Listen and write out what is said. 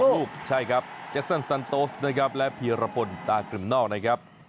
ยิงอีก๒ลูกใช่ครับแจ็คซันซันโต๊สนะครับและพีรพลตากลิ่มนอกนะครับ